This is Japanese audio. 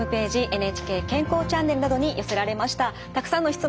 「ＮＨＫ健康チャンネル」などに寄せられましたたくさんの質問